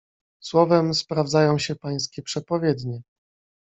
"Słowem sprawdzają się pańskie przepowiednie."